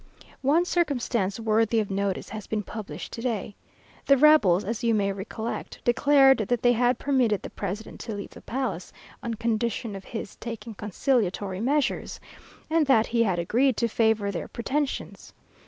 One circumstance worthy of notice has been published to day. The rebels, as you may recollect, declared that they had permitted the president to leave the palace, on condition of his taking conciliatory measures, and that he had agreed to favour their pretensions.